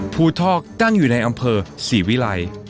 ภูทอกตั้งอยู่ในอำเภอศรีวิรัย